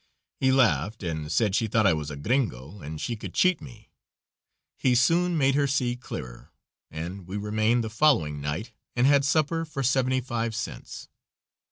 He laughed, and said she thought I was a "gringo," and she could cheat me. He soon made her see clearer, and we remained the following night and had supper for seventy five cents.